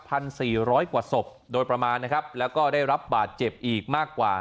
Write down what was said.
สี่ร้อยกว่าศพโดยประมาณนะครับแล้วก็ได้รับบาดเจ็บอีกมากกว่า